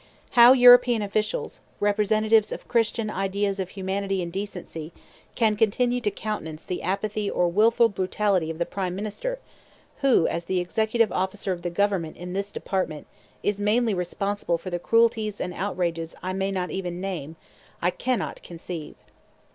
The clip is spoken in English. How European officials, representatives of Christian ideas of humanity and decency, can continue to countenance the apathy or wilful brutality of the prime minister, who, as the executive officer of the government in this department, is mainly responsible for the cruelties and outrages I may not even name, I cannot conceive.